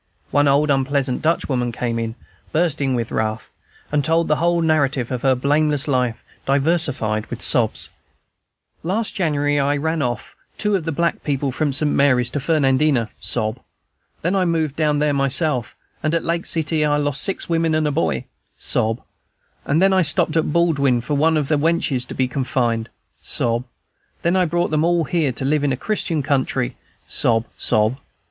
One unpleasant old Dutch woman came in, bursting with wrath, and told the whole narrative of her blameless life, diversified with sobs: "'Last January I ran off two of my black people from St. Mary's to Fernandina,' (sob,) 'then I moved down there myself, and at Lake City I lost six women and a boy,' (sob,) 'then I stopped at Baldwin for one of the wenches to be confined,' (sob,) 'then I brought them all here to live in a Christian country' (sob, sob).